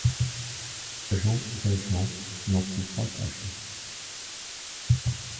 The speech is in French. Jean Valjean n'en fut pas fâché.